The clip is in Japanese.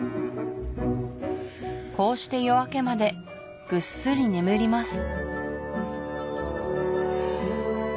こうして夜明けまでぐっすり眠ります